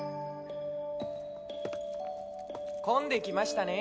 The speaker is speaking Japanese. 混んできましたね